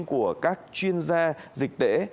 của các chuyên gia dịch tễ